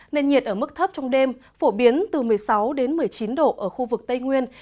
nền nhiệt ở mức thấp trong đêm phổ biến từ một mươi sáu đến một mươi chín độ ở khu vực tây nguyên